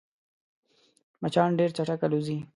مچان ډېر چټک الوزي